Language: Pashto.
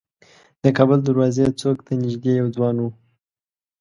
د کابل دروازې څوک ته نیژدې یو ځوان و.